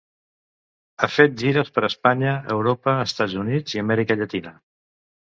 Ha fet gires per Espanya, Europa, Estats Units i Amèrica Llatina.